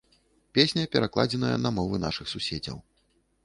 Песня перакладзеная на мовы нашых суседзяў.